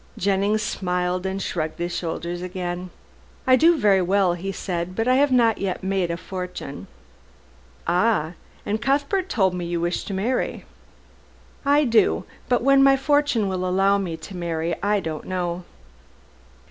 Jennings smiled and shrugged his shoulders again. "I do very well," he said, "but I have not yet made a fortune." "Ah! And Cuthbert told me you wished to marry." "I do. But when my fortune will allow me to marry, I don't know."